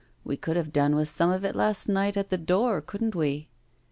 We could have done with some of it last night at the door, couldn't we?